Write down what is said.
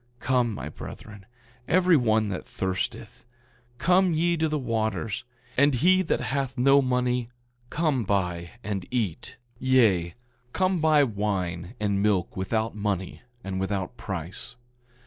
9:50 Come, my brethren, every one that thirsteth, come ye to the waters; and he that hath no money, come buy and eat; yea, come buy wine and milk without money and without price.